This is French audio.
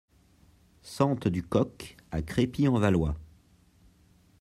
Sente du Coq à Crépy-en-Valois